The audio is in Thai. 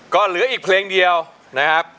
ก็เหลืออีกเพลงเดียวนะครับ